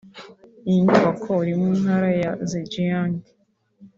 Iyi nyubako iri mu Ntara ya Zhejiang